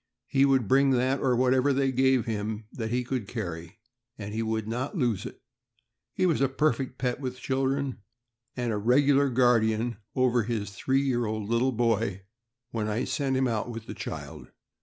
He would bring that, or whatever they gave him that he could carry, and he would not lose it. He, was a perfect pet with children, and a regular guardian over his three year old little boy when sent out with the child.